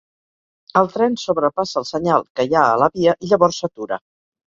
El tren sobrepassa el senyal que hi ha a la via i llavors, s'atura.